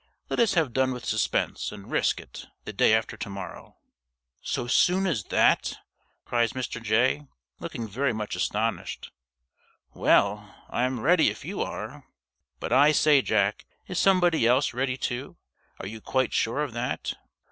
Let us have done with suspense, and risk it, the day after to morrow." "So soon as that?" cries Mr. Jay, looking very much astonished. "Well, I'm ready, if you are. But, I say, Jack, is somebody else ready, too? Are you quite sure of that?"